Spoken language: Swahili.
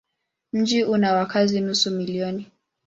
Mji una wakazi nusu milioni.